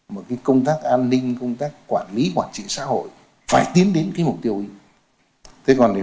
một công tác an ninh công tác quản lý quản trị xã hội phải tiến đến mục tiêu ấy